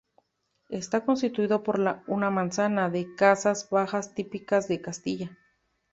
Está constituido por una manzana de casas bajas típicas de Castilla.